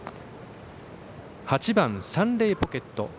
８番サンレイポケット。